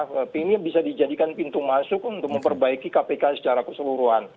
tapi ini bisa dijadikan pintu masuk untuk memperbaiki kpk secara keseluruhan